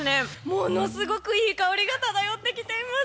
ものすごくいい香りが漂ってきています。